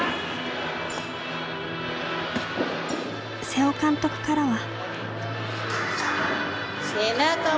瀬尾監督からは。